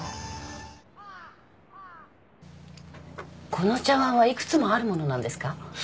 この茶わんは幾つもあるものなんですか？